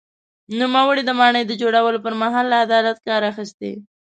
نوموړي د ماڼۍ د جوړولو پر مهال له عدالت کار اخیستی.